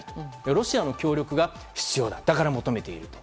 ロシアの協力が必要だだから求めていると。